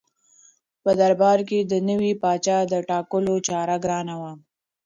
په دربار کې د نوي پاچا د ټاکلو چاره ګرانه وه.